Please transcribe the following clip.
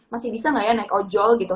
masih bisa nggak ya naik ojol gitu